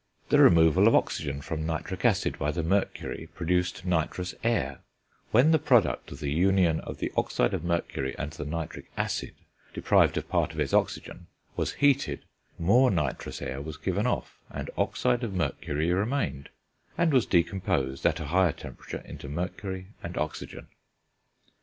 The removal of oxygen from nitric acid by the mercury produced nitrous air; when the product of the union of the oxide of mercury and the nitric acid deprived of part of its oxygen was heated, more nitrous air was given off, and oxide of mercury remained, and was decomposed, at a higher temperature, into mercury and oxygen.